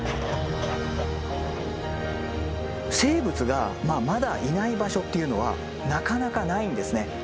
生物がまだいない場所っていうのはなかなかないんですね。